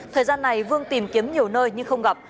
thời gian này vương tìm kiếm nhiều nơi nhưng không gặp